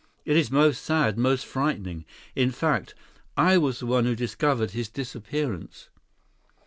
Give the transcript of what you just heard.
"It is most sad, most frightening. In fact, I was the one who discovered his disappearance."